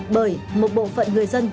bởi một bộ phận người dân